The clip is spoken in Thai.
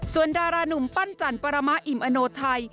ส่วนดารานุ่มปั้นจันปรมะอิมอโนไทย